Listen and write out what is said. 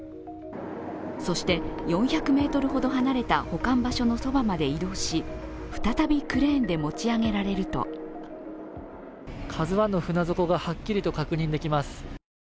そして、４００ｍほど離れた保管場所のそばまで移動し再びクレーンで持ち上げられると「ＫＡＺＵⅠ」の船底がはっきりと確認できます。